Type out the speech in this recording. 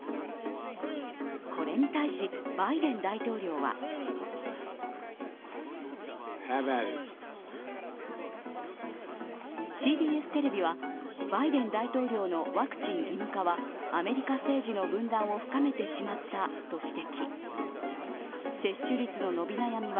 これに対し、バイデン大統領はＣＢＳテレビは、バイデン大統領のワクチン義務化はアメリカ政治の分断を深めてしまったと指摘。